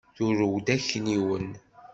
Turew-d akniwen.